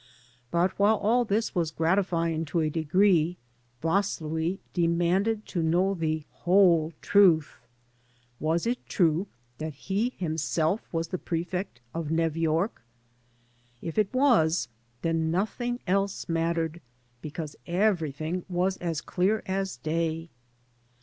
But while all this was gratifying to a degree, Vaslui demanded to know the whole truth. Was it true that he himself was the prefect of Nev York? If it was, then nothing else mattered, because everything was as clear as day.